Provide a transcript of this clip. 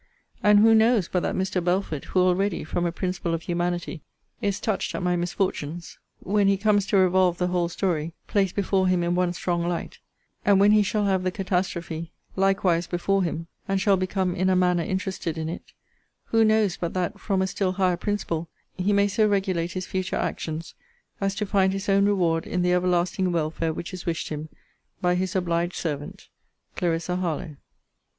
'And who knows, but that Mr. Belford, who already, from a principle of humanity, is touched at my misfortunes, when he comes to revolve the whole story, placed before him in one strong light: and when he shall have the catastrophe likewise before him; and shall become in a manner interested in it; who knows, but that, from a still higher principle, he may so regulate his future actions as to find his own reward in the everlasting welfare which is wished him by his 'Obliged servant, 'CLARISSA HARLOWE?'